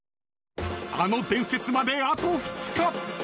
あの伝説まであと２日。